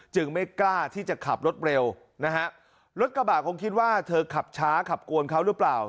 ไม่กล้าที่จะขับรถเร็วนะฮะรถกระบะคงคิดว่าเธอขับช้าขับกวนเขาหรือเปล่า